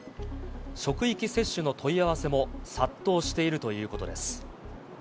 職域接種の問い合わせも殺到しているということです。